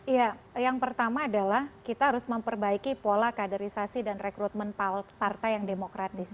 ya yang pertama adalah kita harus memperbaiki pola kaderisasi dan rekrutmen partai yang demokratis